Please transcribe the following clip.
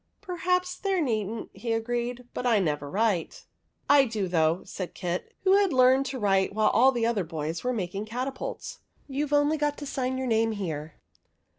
'' Perhaps there needn't," he agreed. "But I never write." " I do, though," said Kit, who had learned to write while all the other boys were making catapults ;" you Ve only got to sign your name here."